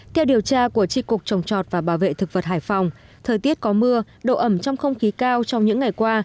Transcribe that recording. theo điều tra của tri cục trồng chọt và bảo vệ thực vật hải phòng thời tiết có mưa độ ẩm trong không khí cao trong những ngày qua